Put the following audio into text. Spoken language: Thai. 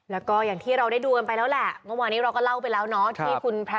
แล้วก็อย่างที่เราได้ดูกันไปแล้วล่ะ